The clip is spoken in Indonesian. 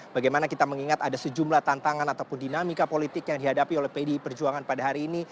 bagaimana kita mengingat ada sejumlah tantangan ataupun dinamika politik yang dihadapi oleh pdi perjuangan pada hari ini